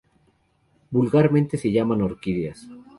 Vulgarmente se llaman orquídeas.